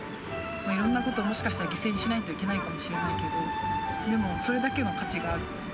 いろんなことをもしかしたら犠牲にしないといけないかもしれないけど、でもそれだけの価値がある。